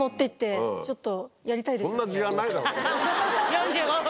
４５分。